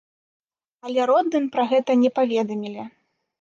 Але родным пра гэта не паведамілі.